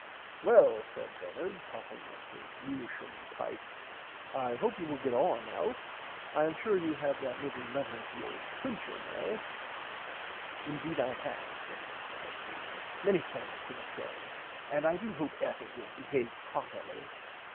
Well said Bernard puffing at his meershum pipe I hope you will get on Alf I am sure you have that little letter to old Clincham eh In deed I have said Mr Salteena many thanks for the same and I do hope Ethel will behave properly.